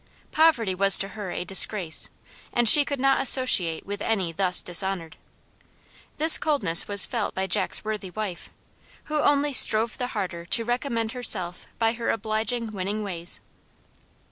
Poverty was to her a disgrace, and she could not associate with any thus dishonored. This coldness was felt by Jack's worthy wife, who only strove the harder to recommend herself by her obliging, winning ways.